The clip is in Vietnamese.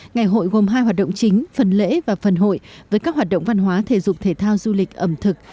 ngày hội gồm hai hoạt động chính phần lễ và phần hội với các hoạt động văn hóa thể dục thể thao du lịch ẩm thực